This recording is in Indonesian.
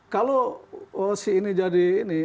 kalau si ini jadi ini